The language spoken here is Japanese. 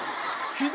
「左！」